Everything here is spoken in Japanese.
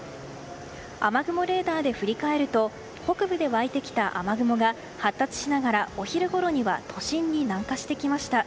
雨雲レーダーで振り返ると北部でわいてきた雨雲が発達しながらお昼ごろに都心に南下してきました。